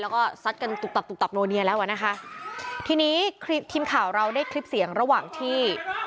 แล้วก็ซัดกันตุกตับตุบตับโนเนียแล้วอ่ะนะคะทีนี้ทีมข่าวเราได้คลิปเสียงระหว่างที่